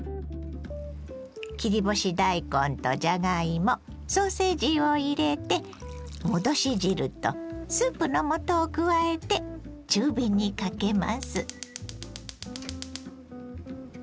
切り干し大根とじゃがいもソーセージを入れて戻し汁とスープの素を加えて中火にかけます。